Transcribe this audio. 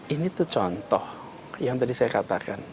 ini tuh contoh yang tadi saya katakan